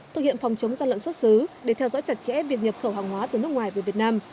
thực hiện phòng chống gian lận xuất xứ để theo dõi chặt chẽ việc nhập khẩu hàng hóa từ nước ngoài về việt nam